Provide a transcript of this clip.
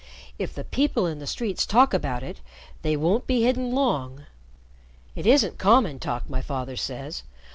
"If the people in the streets talk about it, they won't be hidden long." "It isn't common talk, my father says.